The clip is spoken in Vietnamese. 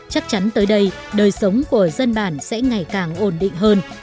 chắc chắn tới đây đời sống của dân bản sẽ ngày càng ổn định hơn